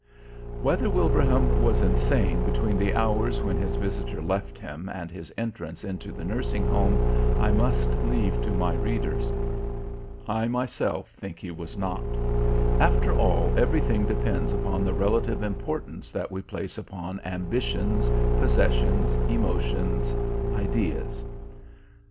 Whether Wilbraham was insane between the hours when his visitor left him and his entrance into the nursing home I must leave to my readers. I myself think he was not. After all, everything depends upon the relative importance that we place upon ambitions, possessions, emotions, ideas.